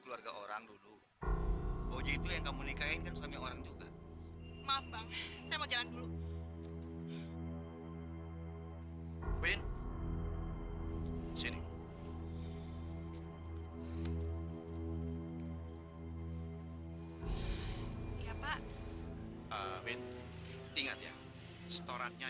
kalau tidak soeidi akan lancap di lehermu